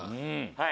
はい。